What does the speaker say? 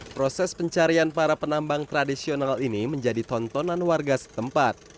proses pencarian para penambang tradisional ini menjadi tontonan warga setempat